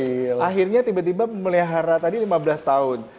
nah terus akhirnya tiba tiba melehar tadi lima belas tahun